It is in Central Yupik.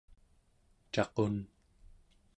caqun